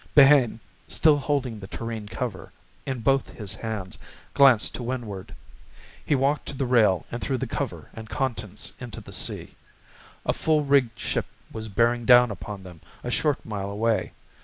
Behane, still holding the tureen cover in both his hands, glanced to windward. He walked to the rail and threw the cover and contents into the sea. A full rigged ship was bearing down upon them a short mile away.